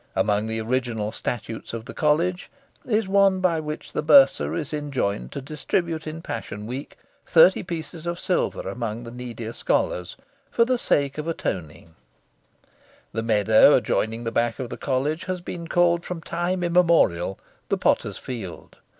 Among the original statutes of the College is one by which the Bursar is enjoined to distribute in Passion Week thirty pieces of silver among the needier scholars "for saike of atonynge." The meadow adjoining the back of the College has been called from time immemorial "the Potter's Field."